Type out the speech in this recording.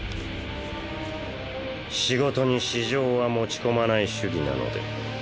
仕事に私情は持ち込まない主義なので。